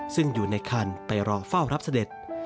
ซึ่งอยู่ในคันไปรอเฝ้ารับเสด็จ